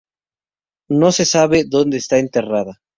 No se sabe donde está enterrada.